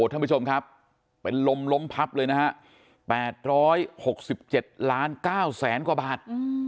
ท่านผู้ชมครับเป็นลมล้มพับเลยนะฮะ๘๖๗ล้าน๙แสนกว่าบาท